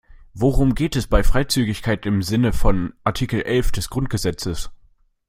Worum geht es bei Freizügigkeit im Sinne von Artikel elf des Grundgesetzes?